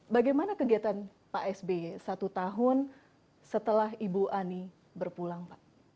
bagaimana kegiatan pak sby satu tahun setelah ibu ani berpulang pak